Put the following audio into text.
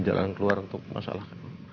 jalan keluar untuk masalah